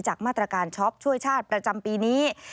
มาตรการช็อปช่วยชาติประจำปีนี้